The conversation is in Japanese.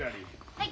はい。